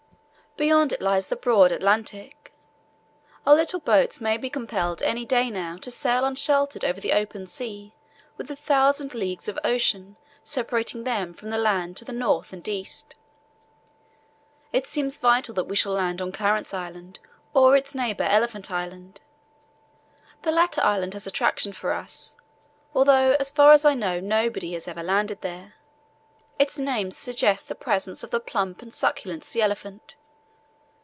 Beyond it lies the broad Atlantic. Our little boats may be compelled any day now to sail unsheltered over the open sea with a thousand leagues of ocean separating them from the land to the north and east. It seems vital that we shall land on Clarence Island or its neighbour, Elephant Island. The latter island has attraction for us, although as far as I know nobody has ever landed there. Its name suggests the presence of the plump and succulent sea elephant.